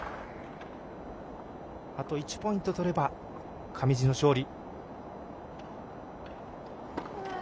あと１ポイント取れば上地の勝利。